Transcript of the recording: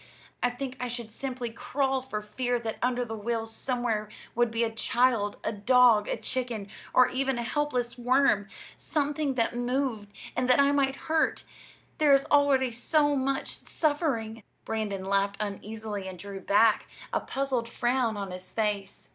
I think I should simply crawl for fear that under the wheels somewhere would be a child, a dog, a chicken, or even a helpless worm something that moved and that I might hurt. There is already so much suffering!" Brandon laughed uneasily and drew back, a puzzled frown on his face.